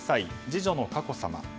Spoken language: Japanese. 次女の佳子さま